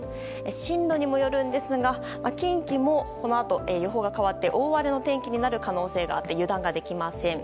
進路によるんですが近畿もこのあと予報が変わって大荒れの天気になる可能性がありますし油断ができません。